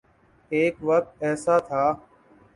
ایک وقت ایسا تھا۔